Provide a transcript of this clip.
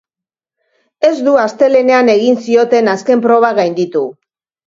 Ez du astelehenean egin zioten azken proba gainditu.